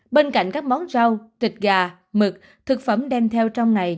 bên cạnh các món rau thịt gà mực thực phẩm đem theo trong ngày